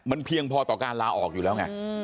มันเพียงพอต่อการลาออกอยู่แล้วไง